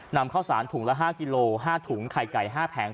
นำข้าวสารถุงละ๕กิโล๕ถุงไข่ไก่๕แผง